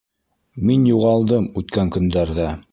Мин юғалдым үткән көндәрҙә.